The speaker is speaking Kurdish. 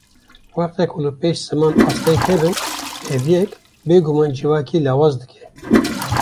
Wexta ku li pêş ziman asteng hebin ev yek, bêguman civakê lawaz dike